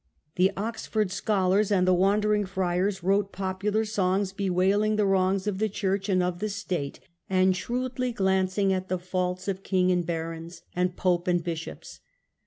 The Oxford scholars and the wandering friars wrote popular songs bewailing the wrongs of the church and of the state^ 8o EDWARD I. and shrewdly glancing at the faults of king and barons and pope and bishops.